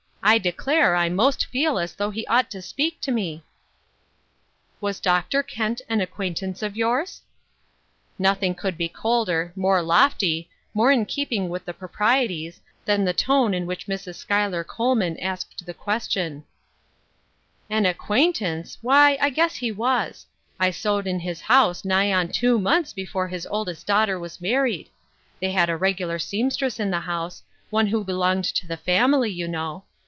I declare I most feel as though he ought to speak to me." " Was Dr. Kent an acquaintance of yours ?" Nothing could be colder, more lofty, more in keepings with the proprieties, than the tone ii? 142 Ruth Un'Mnes Crosses. whicl Mrs Schuyler Colman asked the questioiL. "An acquaintance ! why I guess he was. I sewed in his house nigh on two months before his oldest daughter was married. They had a regular seamstress in the house, one who be longed to the family, you know.